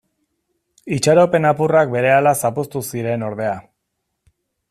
Itxaropen apurrak berehala zapuztu ziren ordea.